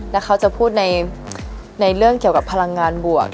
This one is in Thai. แล้วเขาจะพูดในเรื่องเกี่ยวกับพลังงานบวก